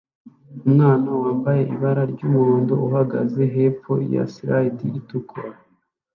Umwana wambaye ibara ryumuhondo uhagaze hepfo ya slide itukura